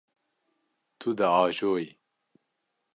Tu diajoyî.